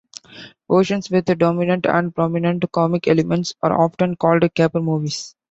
Versions with dominant or prominent comic elements are often called caper movies.